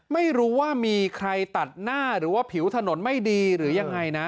ไม่รู้ว่ามีใครตัดหน้าหรือว่าผิวถนนไม่ดีหรือยังไงนะ